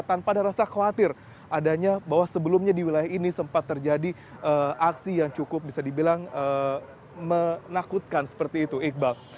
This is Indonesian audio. tanpa ada rasa khawatir adanya bahwa sebelumnya di wilayah ini sempat terjadi aksi yang cukup bisa dibilang menakutkan seperti itu iqbal